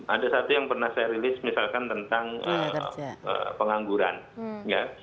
ada satu yang pernah saya rilis misalkan tentang pengangguran ya